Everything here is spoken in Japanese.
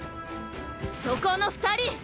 そこの２人！